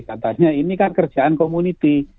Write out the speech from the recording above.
katanya ini kan kerjaan komuniti